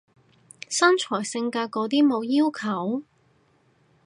身材性格嗰啲冇要求？